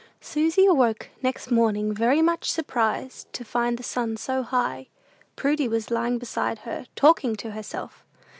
Susy awoke next morning very much surprised to find the sun so high. Prudy was lying beside her, talking to herself.